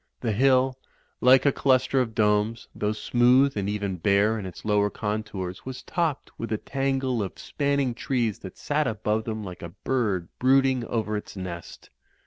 The hill, like a cluster of domes, though smooth and even bare in its lower contours was topped with a tangle of spanning trees that sat above them like a bird brooding over its nest.